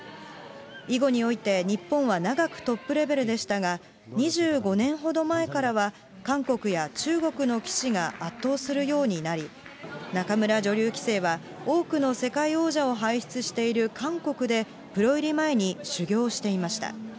囲碁において日本は長くトップレベルでしたが、２５年ほど前からは、韓国や中国の棋士が圧倒するようになり、仲邑女流棋聖は多くの世界王者を輩出している韓国で、プロ入り前に修業していました。